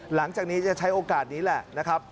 หลังจากนี้จะใช้โอกาสนี้แหละนะครับ